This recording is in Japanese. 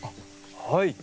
はい。